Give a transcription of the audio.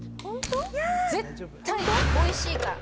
絶対おいしいから。